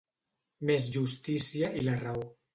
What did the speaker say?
Més justícia i la raó.